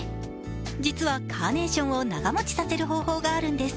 実は、カーネーションを長もちさせる方法があるんです。